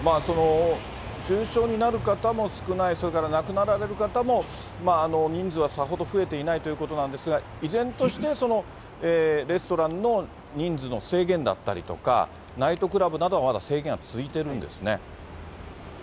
重症になる方も少ない、それから亡くなられる方も人数はさほど増えていないということなんですが、依然としてレストランの人数の制限だったりとか、ナイトクラブなどはまだ制限は続いているんですね。